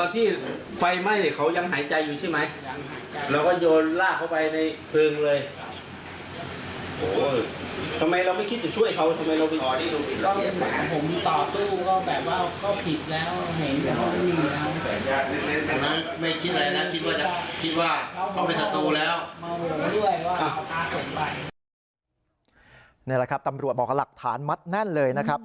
นี่แหละครับตำรวจบอกว่าหลักฐานมัดแน่นเลยนะครับ